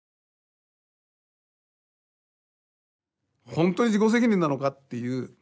ほんとに自己責任なのかっていう。